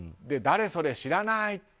誰それ、知らない。